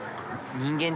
人間？